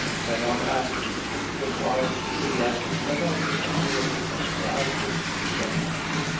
Men are apt to acquire peculiarities that are continually ascribed to them.